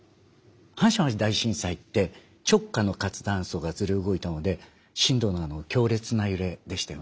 阪神・淡路大震災って直下の活断層がずれ動いたので震度の強烈な揺れでしたよね。